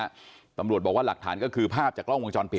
สัสมบูรณ์บอกว่าหลักฐานก็คือภาพจากล้องวงจรปิด